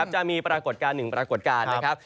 จะมีปรากฏการต์๑ปรากฏการต์